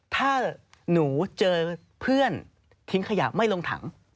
ถ้าหนูเจอเพื่อนทิ้งขยะไม่ลงถัง